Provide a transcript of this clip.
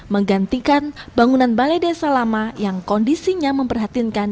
menggantikan bangunan balai desa lama yang kondisinya memperhatinkan